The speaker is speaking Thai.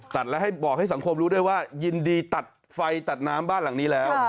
ตัดแล้วให้บอกให้สังคมรู้ด้วยว่ายินดีตัดไฟตัดน้ำบ้านหลังนี้แล้ว